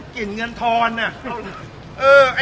กินเงินทอนน่ะ